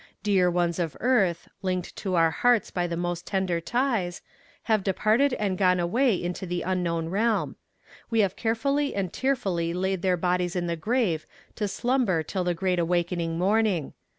Dear ones of earth, linked to our hearts by the most tender ties, have departed and gone away into the unknown realm. We have carefully and tearfully laid their bodies in the grave to slumber till the great awakening morning.